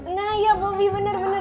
nah iya bobby bener bener